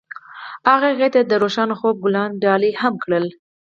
هغه هغې ته د روښانه خوب ګلان ډالۍ هم کړل.